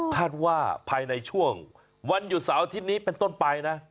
คาดว่าภายในช่วงวันหยุดเสาร์อาทิตย์นี้เป็นต้นไปนะ